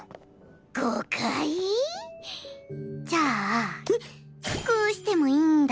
じゃあこうしてもいいんだ。